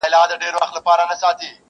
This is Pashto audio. د غیرت ټیټو شملو ته لوپټه له کومه راوړو!!